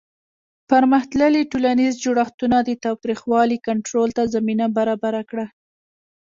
پرمختللي ټولنیز جوړښتونه د تاوتریخوالي کنټرول ته زمینه برابره کړه.